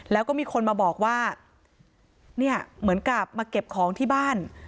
แล้วก็มีคนมาบอกว่าเนี่ยเหมือนกับมาเก็บของที่บ้าน